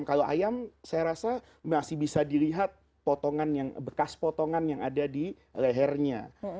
kalau ayam saya rasa masih bisa dilihat bekas potongan yang ada di lehernya